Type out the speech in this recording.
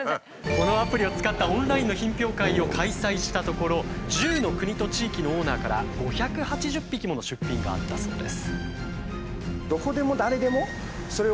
このアプリを使ったオンラインの品評会を開催したところ１０の国と地域のオーナーから５８０匹もの出品があったそうです。